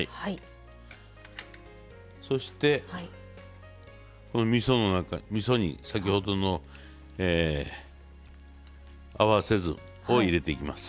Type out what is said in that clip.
そして、みそに先ほどの合わせ酢を入れていきます。